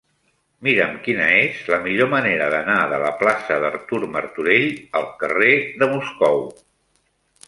Mira'm quina és la millor manera d'anar de la plaça d'Artur Martorell al carrer de Moscou.